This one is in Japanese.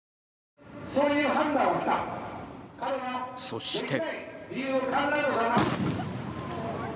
そして。